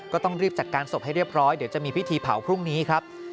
ก็ต้องรีบจัดการศพให้เรียบร้อยเดี๋ยวจะมีพิธีเผาพรุ่งนี้ครับ